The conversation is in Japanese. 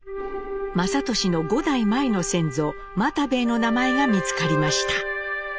雅俊の５代前の先祖・又兵衛の名前が見つかりました。